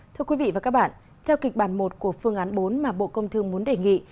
thưa quý vị và các bạn theo kịch bản một của phương án bốn mà bộ công thương muốn đề nghị